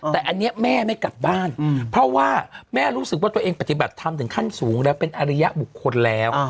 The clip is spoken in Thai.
แต่อันนี้แม่ไม่กลับบ้านเพราะว่าแม่รู้สึกว่าตัวเองปฏิบัติธรรมถึงขั้นสูงและเป็นอริยบุคคลแล้ว